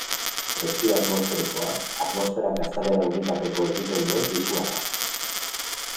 Presio atmosferikoa, atmosferak azalera unitateko egiten duen pisua da.